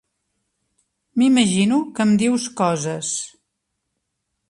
M'imagino que em dius coses.